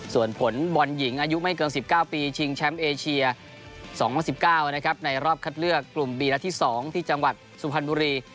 ส่วนผลบอลหญิงอายุไม่เกิน๑๙ปีชิงแชมป์เอเชีย๒๐๑๙ในรอบคัดเลือกกลุ่มบีนัดที่๒ที่จังหวัดสุพรรณบุรี